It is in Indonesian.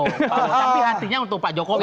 tapi hatinya untuk pak jokowi